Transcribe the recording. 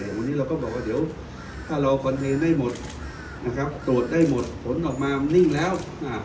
วันนี้เราก็บอกว่าเดี๋ยวถ้ารอคอนเทนต์ได้หมดนะครับตรวจได้หมดผลออกมานิ่งแล้วอ่า